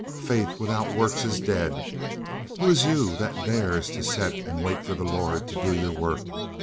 Faith without works is dead; who is you that dares to set and wait for the Lord to do your work?"